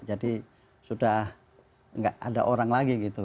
jadi sudah tidak ada orang lagi gitu